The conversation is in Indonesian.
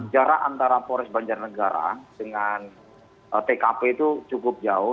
jarak antara polis penjar negara dengan pkp itu cukup jauh